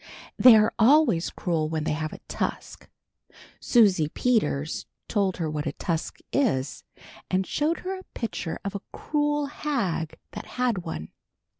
They are always cruel when they have a tusk." Susie Peters told her what a tusk is, and showed her a picture of a cruel hag that had one.